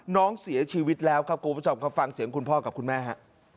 น้องเสียชีวิตแล้วครับคุณผู้ชมครับฟังเสียงคุณพ่อกับคุณแม่ฮะ